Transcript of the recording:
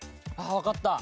わかった。